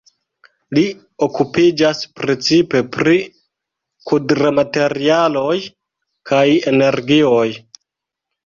Li okupiĝas precipe pri krudmaterialoj kaj energioj.